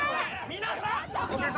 皆さん！